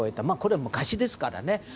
まあ、これは昔ですからね。